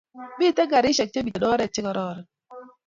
Miten karishek che miten oret che kararan